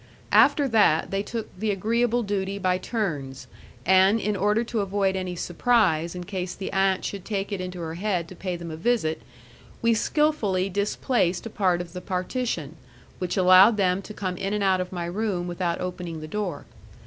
After that they took the agreeable duty by turns, and in order to avoid any surprise in case the aunt should take it into her head to pay them a visit, we skilfully displaced a part of the partition, which allowed them to come in and out of my room without opening the door.